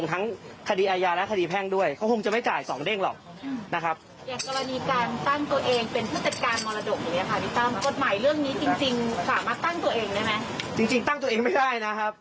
ตามกฎหมายเรื่องนี้จริงจริงสามารถตั้งตัวเองได้ไหมจริงจริงตั้งตัวเองไม่ได้นะครับ